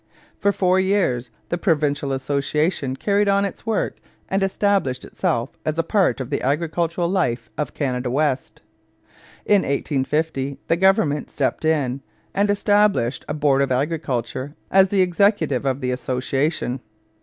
For four years the Provincial Association carried on its work and established itself as a part of the agricultural life of Canada West. In 1850 the government stepped in and established a board of agriculture as the executive of the association.